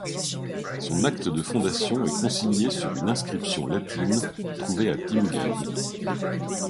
Son acte de fondation est consigné sur une inscription latine trouvée à Timgad.